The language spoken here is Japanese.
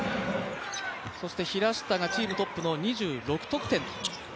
平下がチームトップの２６得点と。